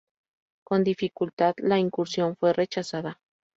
Con dificultad, la incursión fue rechazada.